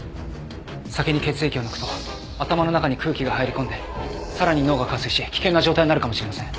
先に血液を抜くと頭の中に空気が入り込んでさらに脳が下垂し危険な状態になるかもしれません。